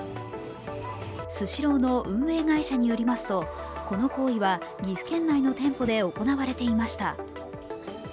スシローの運営会社によりますとこの行為は岐阜県内の店舗で行われていました。